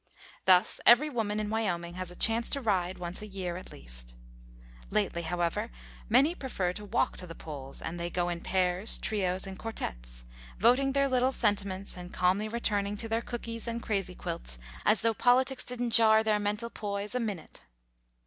Thus every woman in Wyoming has a chance to ride once a year, at least. Lately, however, many prefer to walk to the polls, and they go in pairs, trios and quartettes, voting their little sentiments and calmly returning to their cookies and crazy quilts as though politics didn't jar their mental poise a minute.